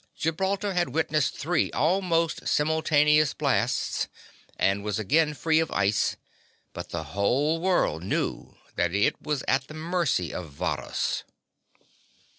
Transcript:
Gibraltar had witnessed three almost simultaneous blasts, and was again free of ice, but the whole world knew that it was at the mercy of Varrhus.